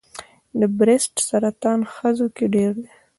د بریسټ سرطان ښځو کې ډېر دی.